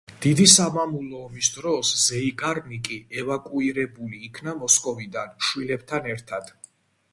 დიდი სამამულო ომის დროს ზეიგარნიკი ევაკუირებული იქნა მოსკოვიდან შვილებთან ერთად.